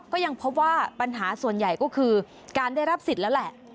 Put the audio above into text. ก็ยังพบว่าปัญหาส่วนใหญ่ก็คือการได้รับสิทธิ์แล้วแหละ